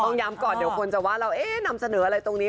ย้ำก่อนเดี๋ยวคนจะว่าเรานำเสนออะไรตรงนี้